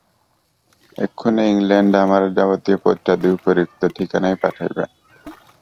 এক্ষণে ইংলণ্ডে আমার যাবতীয় পত্রাদি উপরিউক্ত ঠিকানায় পাঠাইবে।